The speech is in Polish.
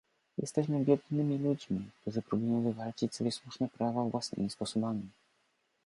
"Jesteśmy biednymi ludźmi, którzy próbują wywalczyć sobie słuszne prawa własnymi sposobami."